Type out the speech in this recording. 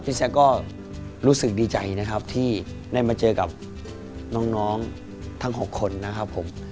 แซ็กก็รู้สึกดีใจนะครับที่ได้มาเจอกับน้องทั้ง๖คนนะครับผม